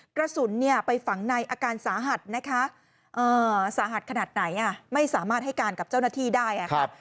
กระสุนไปฝังในอาการสาหัสนะคะสาหัสขนาดไหนไม่สามารถให้การกับเจ้าหน้าที่ได้ค่ะ